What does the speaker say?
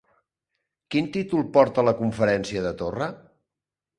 Quin títol porta la conferència de Torra?